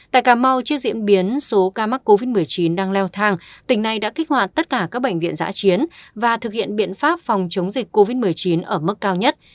tại cà mau trước diễn biến số ca mắc covid một mươi chín đang leo thang tỉnh này đã kích hoạt tất cả các bệnh viện giã chiến và thực hiện biện pháp phòng chống dịch covid một mươi chín ở mức cao nhất